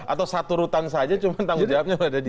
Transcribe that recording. atau satu rutan saja cuma tanggung jawabnya ada di